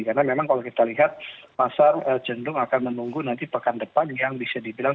karena memang kalau kita lihat pasar jendung akan menunggu nanti pekan depan yang bisa dibilang